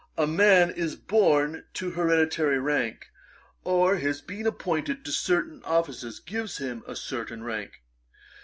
A man is born to hereditary rank; or his being appointed to certain offices, gives him a certain rank.